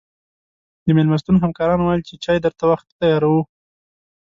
د مېلمستون همکارانو ویل چې چای درته وختي تیاروو.